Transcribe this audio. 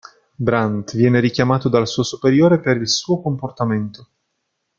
Brant viene richiamato dal suo superiore per il suo comportamento.